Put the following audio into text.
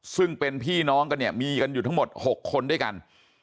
ซึ่งเป็นพี่น้องกันเนี่ยมีกันอยู่ทั้งหมด๖คนด้วยกัน